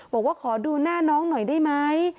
บอกว่าขอดูหน้าน้องหน่อยได้ไหม